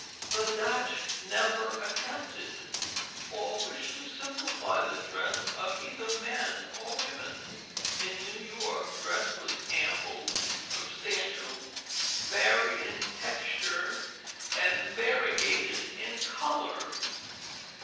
The Dutch never attempted or wished to simplify the dress of either men or women. In New York dress was ample, substantial, varied in texture, and variegated in color.